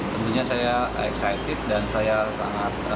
tentunya saya excited dan saya sangat